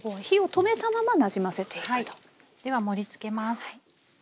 では盛りつけます。